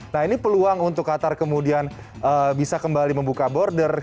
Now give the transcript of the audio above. nah ini peluang untuk qatar kemudian bisa kembali membuka border